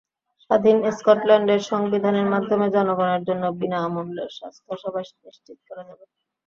স্বাধীন স্কটল্যান্ডের সংবিধানের মাধ্যমে জনগণের জন্য বিনা মূল্যের স্বাস্থ্যসেবা নিশ্চিত করা যাবে।